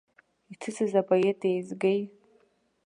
Иҭыҵыз апоет еизгеи.